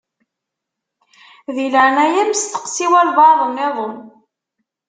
Di leɛnaya-m steqsi walebɛaḍ-nniḍen.